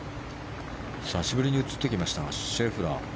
久しぶりに映ってきましたがシェフラー。